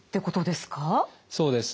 そうです。